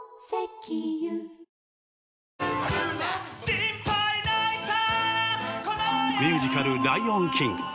心配ないさミュージカル『ライオンキング』。